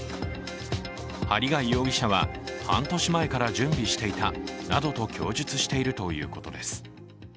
針谷容疑者は、半年前から準備していたなどと供述しているということです。